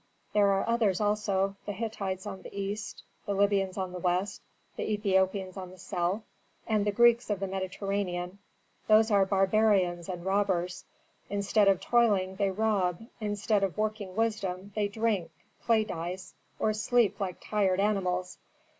There are others also: the Hittites on the East, the Libyans on the west, the Ethiopians on the south, and the Greeks of the Mediterranean, those are barbarians and robbers. Instead of toiling they rob, instead of working wisdom they drink, play dice, or sleep like tired animals.